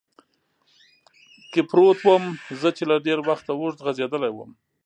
کې پروت ووم، زه چې له ډېر وخته اوږد غځېدلی ووم.